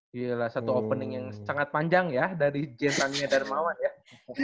gila satu opening yang sangat panjang ya dari jen taniya darmawan ya